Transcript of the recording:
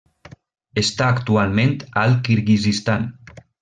Està actualment al Kirguizistan.